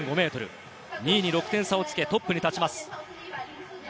２位に６点差をつけトップに立ちます。